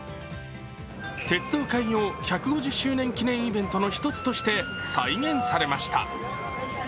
鉄道開業１５０周年記念イベントの一つとして再現されました。